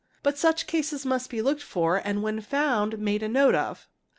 But such cases must be looked for and when found made a te of.